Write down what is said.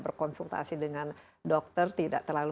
berkonsultasi dengan dokter tidak terlalu